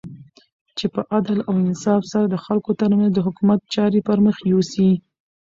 چی په عدل او انصاف سره د خلګو ترمنځ د حکومت چاری پرمخ یوسی